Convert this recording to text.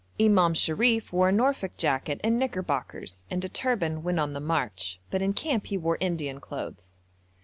Imam Sharif wore a Norfolk jacket and knickerbockers and a turban when on the march, but in camp he wore Indian clothes.